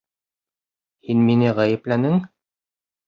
Һин мине ғәйепләнең!